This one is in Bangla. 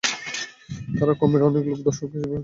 তার কওমের অনেক লোক দর্শক হিসেবে সেখানে উপস্থিত ছিল।